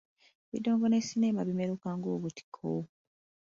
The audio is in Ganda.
Ebidongo ne sineema bimeruka ng’obutiko.